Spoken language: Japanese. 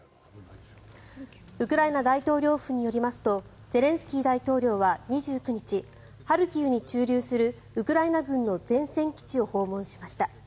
ウクライナ大統領府によりますとゼレンスキー大統領は２９日ハルキウに駐留するウクライナ軍の前線基地を訪問しました。